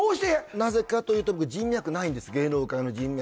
なぜかというと人脈ないんです芸能界の人脈